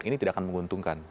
ini tidak akan menguntungkan